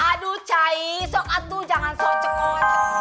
aduh cai sok atuh jangan sok cekot